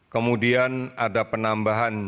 kemudian ada penambahan